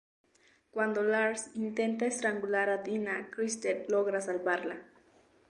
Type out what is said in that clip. Cuando Lars intenta estrangular a Dina, Christer logra salvarla.